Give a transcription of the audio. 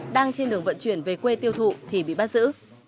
đang trên đường vận chuyển về quê tiêu thụ thì bị bắt giữ